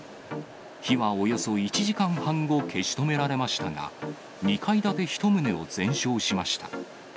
火はおよそ１時間半後、消し止められましたが、２階建て１棟を全焼しました。